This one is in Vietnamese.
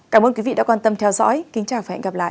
cảm ơn quý vị đã quan tâm theo dõi kính chào và hẹn gặp lại